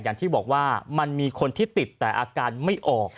อย่างที่บอกว่ามันมีคนที่ติดแต่อาการไม่ออก